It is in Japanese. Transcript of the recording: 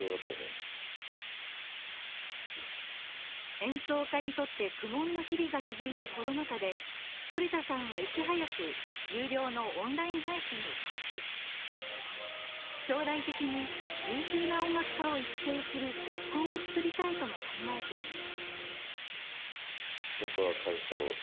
演奏家にとって苦悶の日々が続いたコロナ禍で反田さんはいち早く有料のオンライン配信を開始し、将来的に優秀な音楽家を育成する学校を作りたいとも考えています。